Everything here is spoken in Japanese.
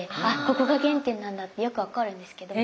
ここが原点なんだってよく分かるんですけど。